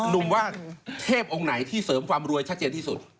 หนุ่มว่าเทพองค์ไหนที่เสริมความรวยชัดเจนที่สุด